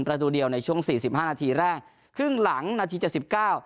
ประตูเดียวในช่วงสี่สิบห้านาทีแรกครึ่งหลังนาทีเจ็ดสิบเก้า